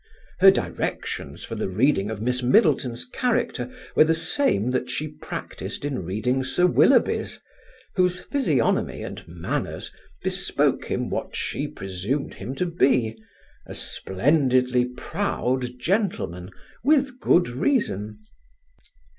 Her directions for the reading of Miss Middleton's character were the same that she practised in reading Sir Willoughby's, whose physiognomy and manners bespoke him what she presumed him to be, a splendidly proud gentleman, with good reason.